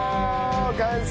完成！